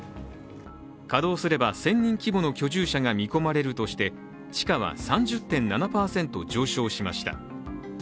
稼働すれば１０００人規模の居住者が見込まれるとして地価は３０．７％上昇しました。